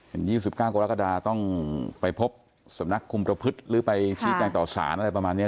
๒๙กรกฎาต้องไปพบสำนักคุมประพฤติหรือไปชี้แจงต่อสารอะไรประมาณนี้